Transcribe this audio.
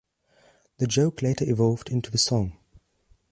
The joke later evolved into the song.